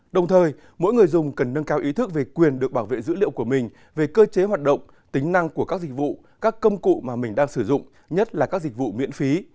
đồng thời mỗi người dùng cần nâng cao ý thức về quyền được bảo vệ dữ liệu của mình về cơ chế hoạt động tính năng của các dịch vụ các công cụ mà mình đang sử dụng nhất là các dịch vụ miễn phí